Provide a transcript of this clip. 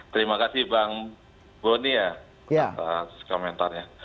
terima kasih bang boni ya atas komentarnya